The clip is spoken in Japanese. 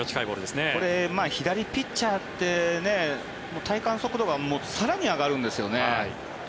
左ピッチャーって体感速度が更に上がるんですよね。